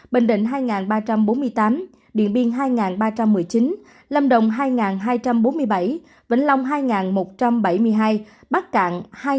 bình định hai ba trăm bốn mươi tám điện biên hai ba trăm một mươi chín lâm đồng hai hai trăm bốn mươi bảy vĩnh long hai một trăm bảy mươi hai bắc cạn hai ba mươi chín